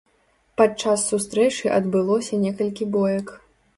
Падчас сустрэчы адбылося некалькі боек.